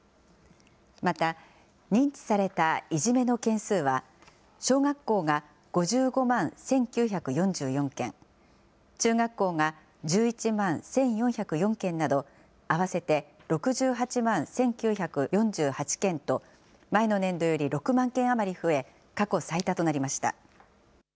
また、認知されたいじめの件数は、小学校が５５万１９４４件、中学校が１１万１４０４件など、合わせて６８万１９４８件と、前の年度より６万件余り増え、過去最多となりました。